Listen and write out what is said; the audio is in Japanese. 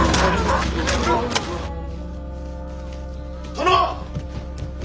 ・殿！